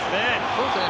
そうですね。